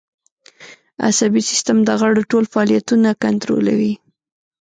عصبي سیستم د غړو ټول فعالیتونه کنترولوي